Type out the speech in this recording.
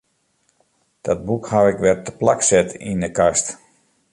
Dat boek haw ik wer teplak set yn 'e kast.